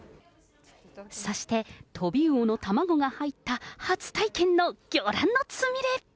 そして、トビウオの卵が入った初体験の魚卵のつみれ。